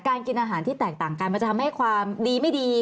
กินอาหารที่แตกต่างกันมันจะทำให้ความดีไม่ดี